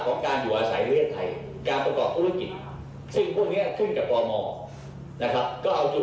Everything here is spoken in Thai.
แต่พอจ่ายทั้งไปแล้วไอ้ที่กดปิดโทรศัพท์นี่